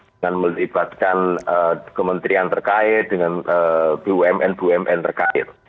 dengan melibatkan kementerian terkait dengan bumn bumn terkait